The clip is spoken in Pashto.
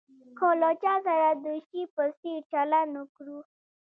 که له چا سره د شي په څېر چلند وکړو.